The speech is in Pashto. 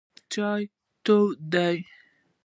چای تود دی.